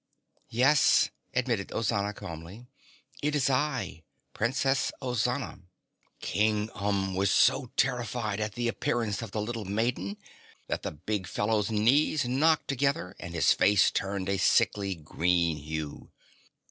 "Yes," admitted Ozana calmly, "it is I, Princess Ozana." King Umb was so terrified at the appearance of the little maiden that the big fellow's knees knocked together and his face turned a sickly, green hue.